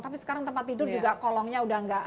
tapi sekarang tempat tidur juga kolongnya udah gak ada